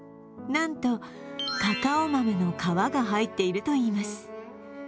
なんとカカオ豆の皮が入っているといいます。